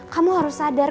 kamu harus sadar